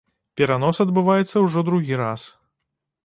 Перанос адбываецца ўжо другі раз.